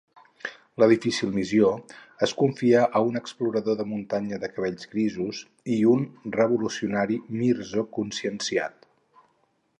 La difícil missió es confia a un explorador de muntanya de cabells grisos i un revolucionari Mirzo conscienciat.